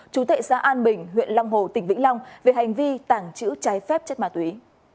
chủ tệ xã an bình huyện long hồ tỉnh vĩnh long về hành vi tảng chữ trái phép chất ma túy